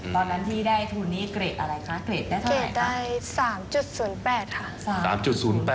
ตอนนั้นที่ได้ทุนนี้เกรดอะไรคะเกรดได้เท่าไหร่ค่ะ